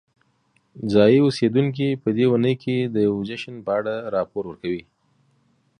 ځایی اوسیدونکي په دې اونۍ کې د یوې جشن په اړه راپور ورکوي.